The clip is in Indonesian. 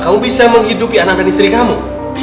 kamu bisa menghidupi anak dan istri kamu